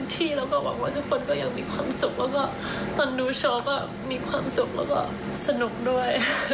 ที่แล้วก็หวังว่าทุกคนก็ยังมีความสุขแล้วก็ตอนดูโชว์ก็มีความสุขและสนุนด้วย